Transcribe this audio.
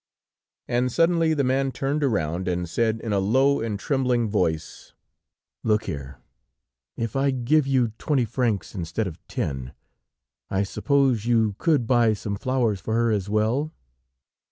And suddenly the man turned round and said in a low and trembling voice: "Look here! If I give you twenty francs instead of ten, I suppose you could buy some flowers for her, as well?"